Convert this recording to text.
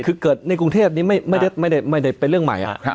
คือเกิดในกรุงเทพนี้ไม่ได้เป็นเรื่องใหม่